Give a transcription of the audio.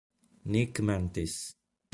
Nick Mantis